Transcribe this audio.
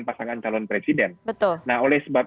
pasangan calon presiden nah oleh sebab